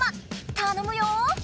たのむよ！